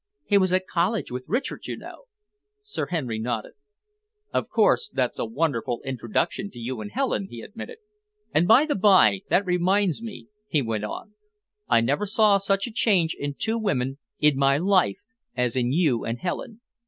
"He was at college with Richard, you know." Sir Henry nodded. "Of course, that's a wonderful introduction to you and Helen," he admitted. "And by the by, that reminds me," he went on, "I never saw such a change in two women in my life, as in you and Helen.